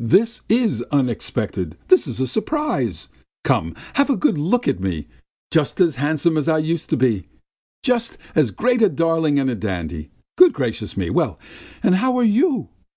"This is unexpected! This is a surprise! Come have a good look at me! Just as handsome as I used to be! Just as great a darling and a dandy! Good gracious me! Well, and how are you?